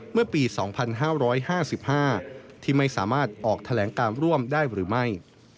เมื่อปี๒๕๕๕ที่ไม่สามารถออกแถลงการร่วมได้หรือไม่